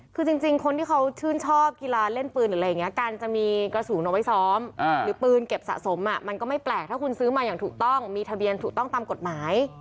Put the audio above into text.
คือจริงคนที่เขาชื่นชอบกีฬาเล่นปืนหรืออะไรอย่างนี้การจะมีกระสุนเอาไว้ซ้อมหรือปืนเก็บสะสมมันก็ไม่แปลกถ้าคุณซื้อมาอย่างถูกต้องมีทะเบียนถูกต้องตามกฎหมาย